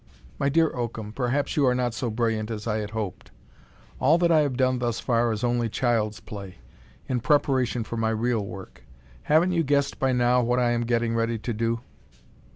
"My dear Oakham, perhaps you are not so brilliant as I had hoped! All that I have done thus far is only child's play, in preparation for my real work. Haven't you guessed by now what I am getting ready to do?"